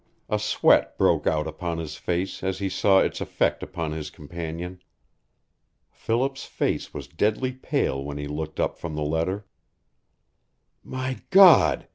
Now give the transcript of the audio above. A sweat broke out upon his face as he saw its effect upon his companion. Philip's face was deadly pale when he looked up from the letter. "My God!